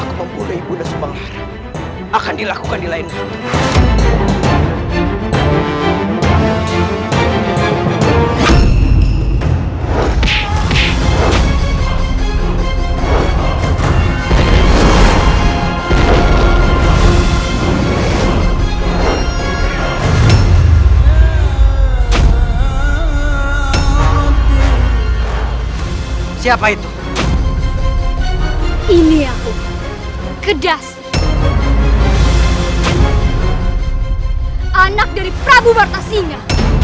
sampai jumpa di video selanjutnya